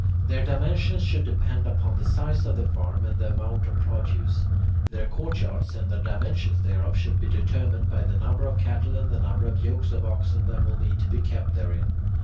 Their dimensions should depend upon the size of the farm and the amount of produce. Their courtyards and the dimensions thereof should be determined by the number of cattle and the number of yokes of oxen that will need to be kept therein.